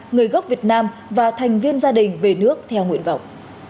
người gốc việt nam và thành viên gia đình về nước theo nguyện vọng